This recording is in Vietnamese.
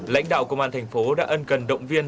lãnh đạo công an thành phố đã ân cần động viên